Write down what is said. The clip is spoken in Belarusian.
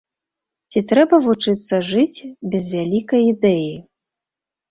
Ці трэба вучыцца жыць без вялікай ідэі?